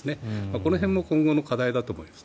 この辺も今後の課題だと思います。